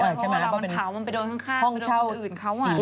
เพราะว่าเราพาวมันไปโดนข้างห้องช่าวอื่นเขา